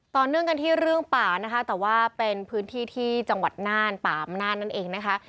ต่อเนื่องกันที่เรื่องป่านะคะแต่ว่าเป็นพื้นที่ที่จังหวัดน่านป่าอำนาจนั่นเองนะคะ